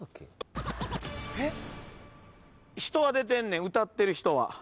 人は出てんねん歌ってる人は。